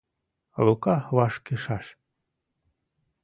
Лука вашкышаш.